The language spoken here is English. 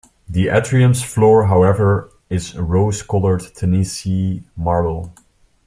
The atrium's floor, however, is rose-colored Tennessee marble.